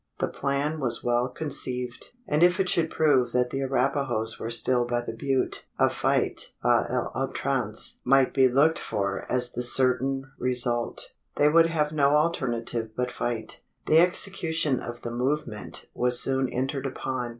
The plan was well conceived; and if it should prove that the Arapahoes were still by the butte, a fight a l'outrance might be looked for as the certain result. They would have no alternative but fight. The execution of the movement was soon entered upon.